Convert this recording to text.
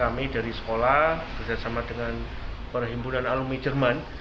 kami dari sekolah bersama dengan perhimpunan alumni jerman